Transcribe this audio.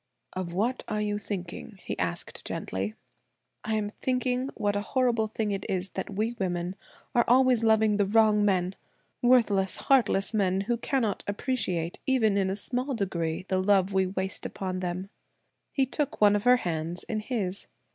"Of what are you thinking?" he asked gently. "I am thinking what a horrible thing it is that we women are always loving the wrong men–worthless, heartless men, who cannot appreciate in even a small degree the love we waste upon them." He took one of her hands in his.